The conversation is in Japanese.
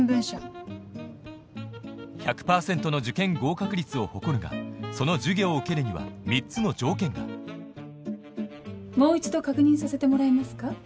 １００％の受験合格率を誇るがその授業を受けるには３つの条件がもう一度確認させてもらえますか？